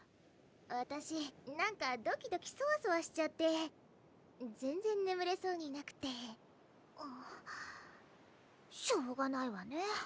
わたしなんかドキドキソワソワしちゃって全然ねむれそうになくてしょうがないわね